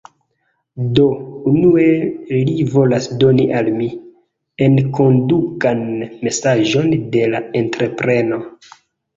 Do, unue li volas doni al mi... enkondukan mesaĝon de la entrepreno.